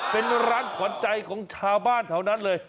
เป็นร้านขวัญใจของชาวบ้านแถวนั้นเลย